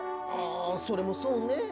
あそれもそうね。